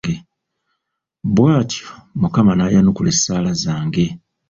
Bw'atyo Mukama n'ayanukula essaala zange.